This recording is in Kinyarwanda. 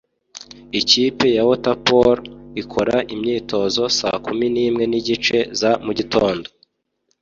Ikipe ya water polo ikora imyitozo saa kumi nimwe nigice za mugitondo